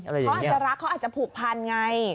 เขาอาจจะรักเขาอาจจะผูกพันไง